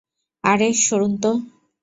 আরে, সরুন তো!